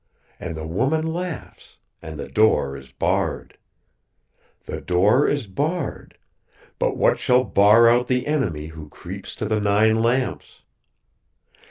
And the woman laughs, and the door is barred. "The door is barred, but what shall bar out the Enemy who creeps to the nine lamps?